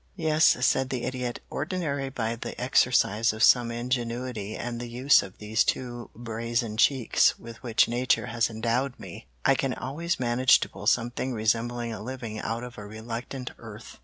"Yes," said the Idiot. "Ordinary by the exercise of some ingenuity and the use of these two brazen cheeks with which nature has endowed me, I can always manage to pull something resembling a living out of a reluctant earth.